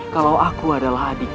kalau aku adalah adiknya